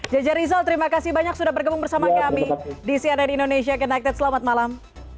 jj rizal terima kasih banyak sudah bergabung bersama kami di cnn indonesia connected selamat malam